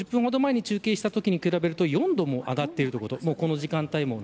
４０分、５０分ほど前に中継したときに比べると４度も上がっているということ